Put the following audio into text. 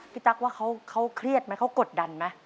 ตั๊กว่าเขาเครียดไหมเขากดดันไหม